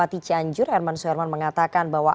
bupati cianjur herman suherman mengatakan bahwa